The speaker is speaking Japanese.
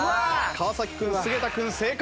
川君菅田君正解。